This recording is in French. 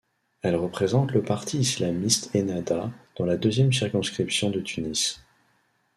Elle représente le parti islamiste Ennahdha dans la deuxième circonscription de Tunis.